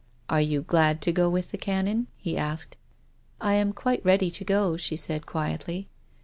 . "Are you glad to go with the Canon?" he asked. " I am quite ready to go," she said quietly.